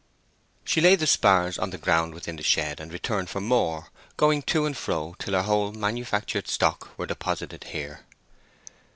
She laid the spars on the ground within the shed and returned for more, going to and fro till her whole manufactured stock were deposited here.